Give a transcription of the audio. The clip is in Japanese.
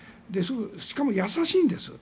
しかも優しいんです。